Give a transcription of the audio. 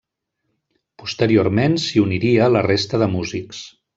Posteriorment s'hi uniria la resta de músics.